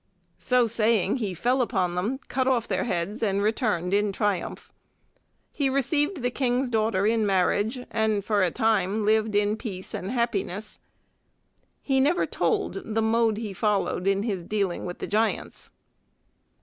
So saying he fell upon them, cut off their heads, and returned in triumph. He received the King's daughter in marriage and for a time lived in peace and happiness. He never told the mode he followed in his dealing with the giants.